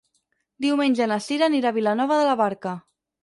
Diumenge na Cira anirà a Vilanova de la Barca.